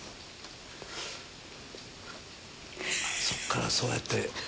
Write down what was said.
そっからそうやって。